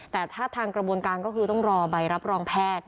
แต่ถ้าทางกระบวนการก็คือต้องรอใบรับรองแพทย์